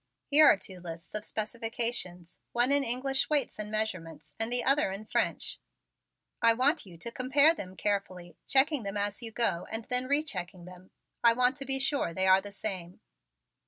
Here are two lists of specifications, one in English weights and measurements and the other in French. I want you to compare them carefully, checking them as you go and then re checking them. I want to be sure they are the same.